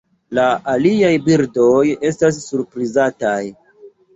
La aliaj birdoj estas surprizataj.